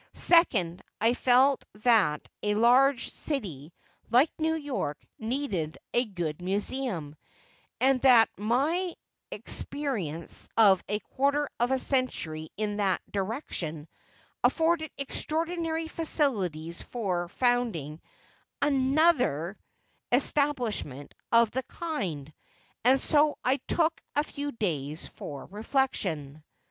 Second: I felt that a large city like New York needed a good Museum, and that my experience of a quarter of a century in that direction, afforded extraordinary facilities for founding another establishment of the kind, and so I took a few days for reflection.